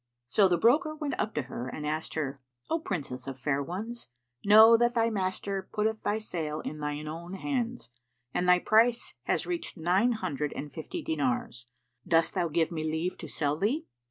So the broker went up to her and asked her, "O Princess of fair ones, know that thy master putteth thy sale in thine own hands, and thy price hath reached nine hundred and fifty dinars; dost thou give me leave to sell thee?"